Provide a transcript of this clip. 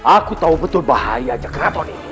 aku tahu betul bahaya cak ratu ini